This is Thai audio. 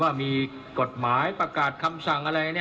ว่ามีกฎหมายประกาศคำสั่งอะไรอย่างงี้